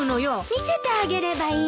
見せてあげればいいのに。